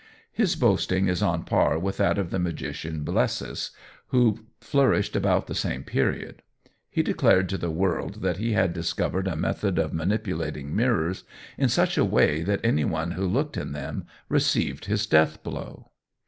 His boasting is on a par with that of the magician Blessis, who flourished about the same period. He declared to the world that he had discovered a method of manipulating mirrors in such a way that any one who looked in them received his death blow!